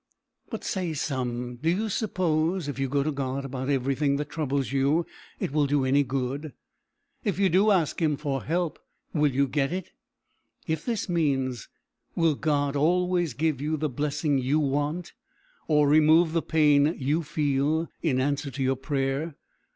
But say some, "Do you suppose if you go to God about everything that troubles you it will do any good? If you do ask him for help, will you get it?" If this means, Will God always give you the blessing you want, or remove the pain you feel, in answer to your prayer?